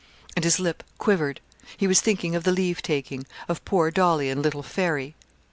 And his lip quivered; he was thinking of the leave taking of poor Dolly and little Fairy.